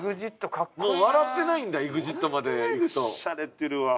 もう笑ってないんだＥＸＩＴまでいくと。